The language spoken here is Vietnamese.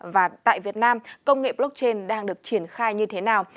và tại việt nam công nghệ blockchain đang được triển khai như thế nào